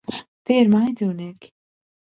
Tie ir mājdzīvnieki.